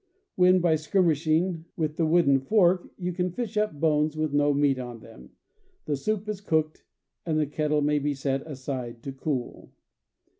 When, by skirmishing with the wooden fork, you can fish up bones with no meat on them, the soup is cooked, and the kettle may be set aside to cool."